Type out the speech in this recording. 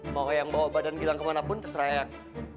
mau yang bawa badan gilang ke manapun terserah eang